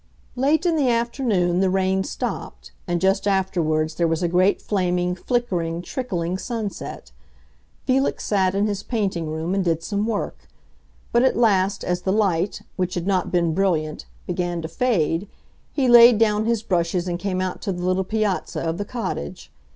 Late in the afternoon the rain stopped, and just afterwards there was a great flaming, flickering, trickling sunset. Felix sat in his painting room and did some work; but at last, as the light, which had not been brilliant, began to fade, he laid down his brushes and came out to the little piazza of the cottage.